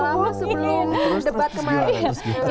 berapa lama sebelum debat kemarin